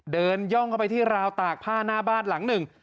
ย่องเข้าไปที่ราวตากผ้าหน้าบ้านหลังหนึ่ง